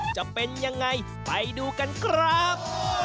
จะเป็นยังไงไปดูกันครับ